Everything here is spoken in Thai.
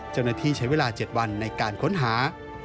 เจ้าหน้าที่ใช้เวลา๗วันในการค้นหา